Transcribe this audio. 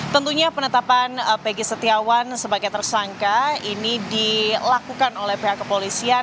tentunya penetapan peggy setiawan sebagai tersangka ini dilakukan oleh pihak kepolisian